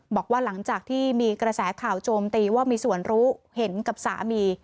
บอกว่าหลังจากที่มีกระแสข่าวโจมตีว่ามีส่วนรู้เห็นกับสามี